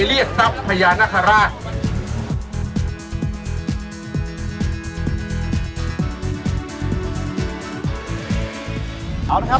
เรียกปั๊บพระยานคาราต์